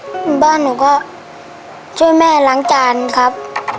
หมู่บ้านหนูก็ช่วยแม่ล้างจานครับ